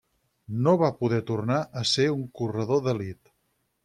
No va poder tornar a ser un corredor d'elit.